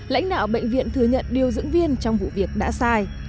lãnh đạo bệnh viện thừa nhận điều dưỡng viên trong vụ việc đã sai